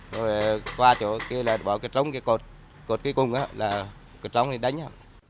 rồi qua chỗ kia là bỏ cái trống cái cột cột cái cung đó là cái trống này đánh